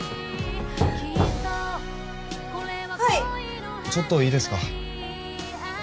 はいちょっといいですか？